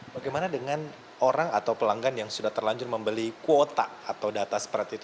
bagaimana dengan orang atau pelanggan yang sudah terlanjur membeli kuota atau data seperti itu